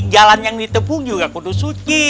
jalan yang ditepung juga kudus suci